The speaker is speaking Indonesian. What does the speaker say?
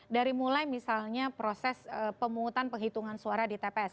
dari mulai misalnya proses pemungutan penghitungan suara di tps